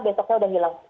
besoknya sudah hilang